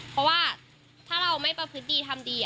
เพราะว่าถ้าเราไม่ประพฤติดีทำดี